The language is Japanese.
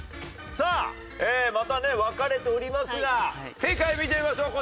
さあまたね分かれておりますが正解を見てみましょう。